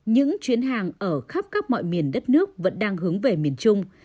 những chuyến hàng ở khắp các mọi miền đất nước vẫn đang hướng về miền trung